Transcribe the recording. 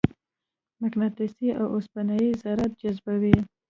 مقناطیس د اوسپنې ذرات جذبوي.